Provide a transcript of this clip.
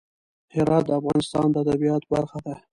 هرات د افغانستان د طبیعت برخه ده.